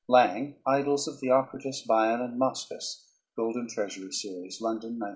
LANG. Idylls of Theocritus, Bion, and Moschus (Golden Treasury Series), London, 1901.